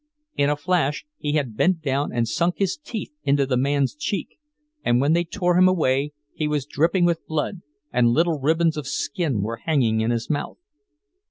In a flash he had bent down and sunk his teeth into the man's cheek; and when they tore him away he was dripping with blood, and little ribbons of skin were hanging in his mouth.